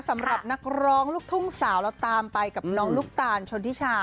สำหรับนักร้องลูกทุ่งสาวเราตามไปกับน้องลูกตาลชนทิชา